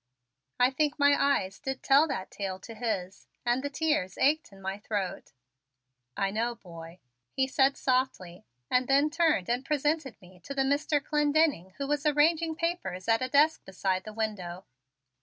I think my eyes did tell that tale to his and the tears ached in my throat. "I know, boy," he said softly and then turned and presented me to the Mr. Clendenning who was arranging papers at a desk beside the window.